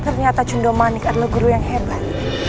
ternyata jundomanik adalah guru yang hebat